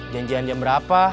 janjian jam berapa